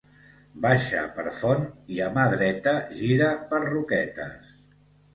Baixa per Font i a mà dreta gira per Roquetes